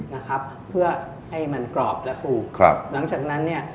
นะครับเพื่อให้มันกรอบและฟูครับหลังจากนั้นเนี่ย